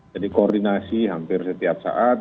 jadi koordinasi hampir setiap saat